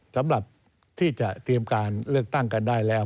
สำหรับที่จะเตรียมการเลือกตั้งกันได้แล้ว